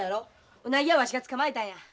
うなぎはわしが捕まえたんや。